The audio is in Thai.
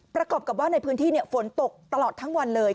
ประกอบกับว่าในพื้นที่ฝนตกตลอดทั้งวันเลย